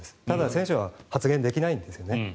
ただ、選手は発言できないんですよね。